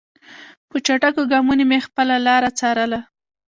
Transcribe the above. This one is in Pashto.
په چټکو ګامونو مې خپله لاره څارله.